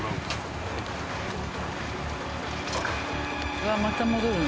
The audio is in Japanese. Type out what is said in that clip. うわっまた戻るの？